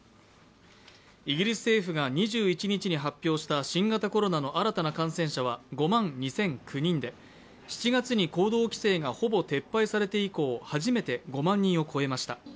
イギリス政府が２１日に発表した新型コロナの新たな感染者は５万２００９人で７月に行動規制がほぼ撤廃されて以降初めて５万人を超えました。